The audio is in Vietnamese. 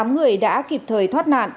tám người đã kịp thời thoát nạn